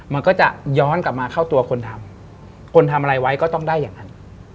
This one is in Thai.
มันก็จะย้อนกลับมาเข้าตัวคนทำคนทำอะไรไว้ก็ต้องได้อย่างนั้น